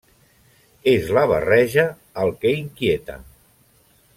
És la barreja el que inquieta.